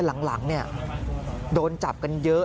หลังโดนจับกันเยอะ